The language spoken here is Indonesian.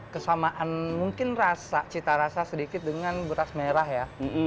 kesamaan mungkin rasa cita rasa sedikit dengan beras merah ya